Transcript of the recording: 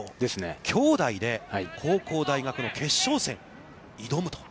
兄弟で高校大学の決勝戦に挑むと。